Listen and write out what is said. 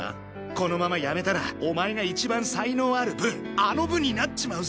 このままやめたらお前が一番才能ある部アノ部になっちまうぞ。